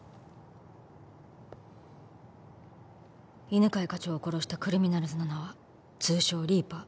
「犬飼課長を殺したクリミナルズの名は通称リーパー」